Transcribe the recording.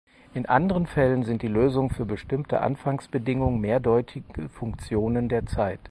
In anderen Fällen sind die Lösungen für bestimmte Anfangsbedingungen mehrdeutige Funktionen der Zeit.